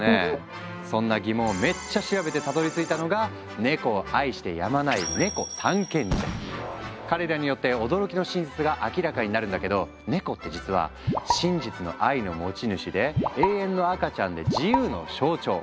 そんな疑問をめっちゃ調べてたどりついたのがネコを愛してやまない彼らによって驚きの真実が明らかになるんだけどネコって実は「真実の愛の持ち主」で「永遠の赤ちゃん」で「自由の象徴」！